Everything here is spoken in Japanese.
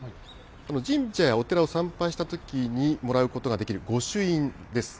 神社やお寺を参拝したときにもらうことができる御朱印です。